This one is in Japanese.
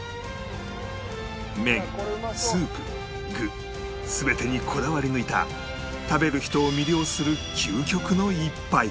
麺スープ具全てにこだわり抜いた食べる人を魅了する究極の一杯